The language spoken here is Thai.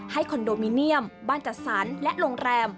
คอนโดมิเนียมบ้านจัดสรรและโรงแรม